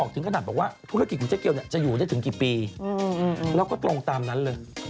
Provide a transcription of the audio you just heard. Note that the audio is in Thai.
ถึงกี่ปีแล้วก็ตรงตามนั้นเลย